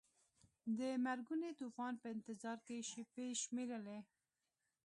د مرګوني طوفان په انتظار کې شیبې شمیرلې.